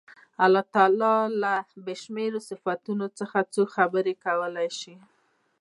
د الله تعالی له بې شمېرو صفتونو څخه څوک خبرې کولای شي.